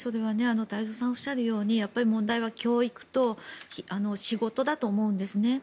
太蔵さんがおっしゃるように問題は教育と仕事だと思うんですね。